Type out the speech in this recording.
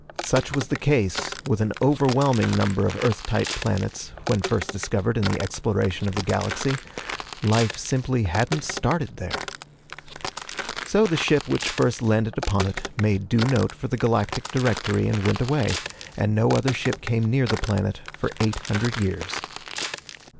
Such was the case with an overwhelming number of Earth type planets when first discovered in the exploration of the galaxy. Life simply hadn't started there. So the ship which first landed upon it made due note for the Galactic Directory and went away, and no other ship came near the planet for eight hundred years.